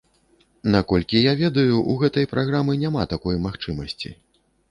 Наколькі я ведаю, у гэтай праграмы няма такой магчымасці.